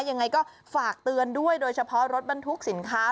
ยังไงก็ฝากเตือนด้วยโดยเฉพาะรถบรรทุกสินค้า